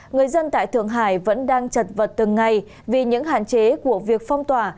người dân tại thượng hải vẫn đang chật vật từng ngày vì những hạn chế của việc phong tỏa